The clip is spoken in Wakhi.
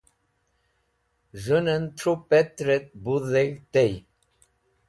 Z̃hunan Thru Pẽtrẽt Bu Dheg̃hd tey